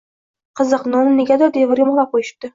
Qiziq, nonni negadir devorga mixlab qo‘yishibdi.